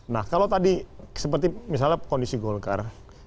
nah kalau tadi seperti misalnya kondisi golkar